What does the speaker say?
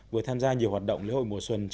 vừa tham gia nhiều hoạt động lễ hội mùa xuân